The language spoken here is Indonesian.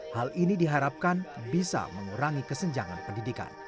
hal ini diharapkan bisa mengurangi kesenjangan pendidikan